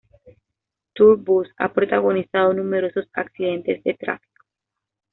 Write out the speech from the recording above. Tur Bus ha protagonizado numerosos accidentes de tráfico.